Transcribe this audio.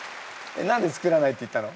何で作らないって言ったの？